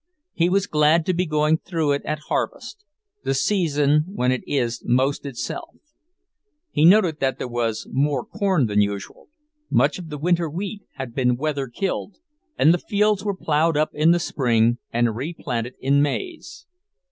He was glad to be going through it at harvest, the season when it is most itself. He noted that there was more corn than usual, much of the winter wheat had been weather killed, and the fields were ploughed up in the spring and replanted in maize.